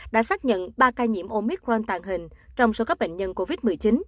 đã xác nhận ba ca nhiễm omicron tàng hình trong số các bệnh nhân covid một mươi chín